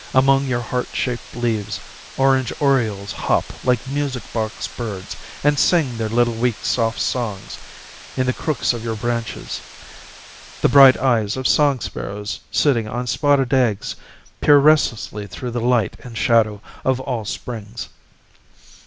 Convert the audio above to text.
Among your heart shaped leaves Orange orioles hop like music box birds and sing Their little weak soft songs; In the crooks of your branches The bright eyes of song sparrows sitting on spotted eggs Peer restlessly through the light and shadow Of all Springs.